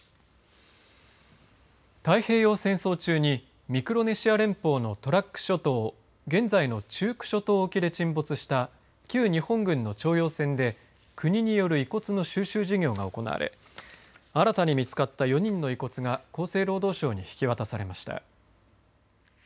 太平洋戦争中にミクロネシア連邦のトラック諸島現在のチューク諸島沖で沈没した旧日本軍の徴用船で国による遺骨の収集事業が行われ新たに見つかった４人の遺骨が厚生労働省に引き渡されました。